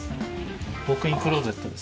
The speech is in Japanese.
ウォークイン・クローゼットです。